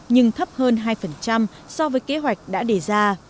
nhưng thấp hơn hai so với kế hoạch đã đề ra